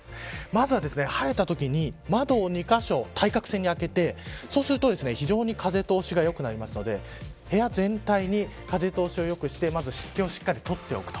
まずは晴れたときに窓を２カ所、対角線状に開けてそうすると非常に風通しがよくなるので部屋全体の風通しを良くして湿気をしっかり取っておく。